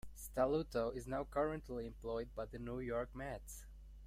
Stelluto is now currently employed by the New York Mets.